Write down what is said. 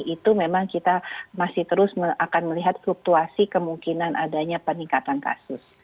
itu memang kita masih terus akan melihat fluktuasi kemungkinan adanya peningkatan kasus